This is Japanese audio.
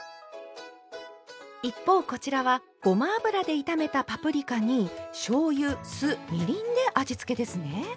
一方こちらはごま油で炒めたパプリカにしょうゆ酢みりんで味付けですね。